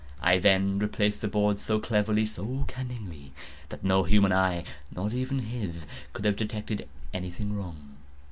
I then replaced the boards so cleverly, so cunningly, that no human eye—not even his—could have detected any thing wrong.